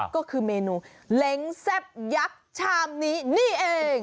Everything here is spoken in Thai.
ก็คือเมนูเล้งแซ่บยักษ์ชามนี้นี่เอง